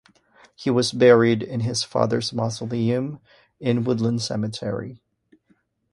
He was buried in his father's mausoleum in Woodlawn Cemetery.